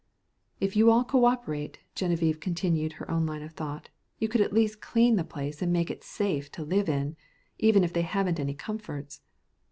"If you all co operate," Genevieve continued her own line of thought, "you could at least clean the place and make it safe to live in, even if they haven't any comforts."